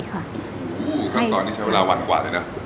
ครั้งตอนนี้ใช้เวลาวันกว่าเลยนะ